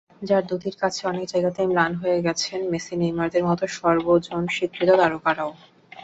যাঁর দ্যুতির কাছে অনেক জায়গাতেই ম্লান হয়ে গেছেন মেসি-নেইমারদের মতো সর্বজনস্বীকৃত তারকারাও।